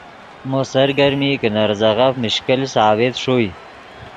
مو سرگرمی کہ نے ریزغف مشکل ثابت ݰوئے